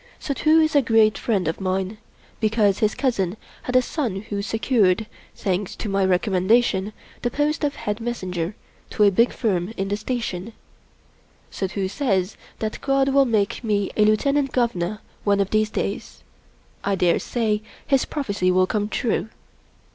Suddhoo is a great friend of mine, because his cousin had a son who secured, thanks to my recommendation, the post of head messenger to a big firm in the Statjjjp. Suddhoo says that God will make 28 Rudyard Kipling me a Lieutenant Governor one of these days. I daresay his prophecy will come true.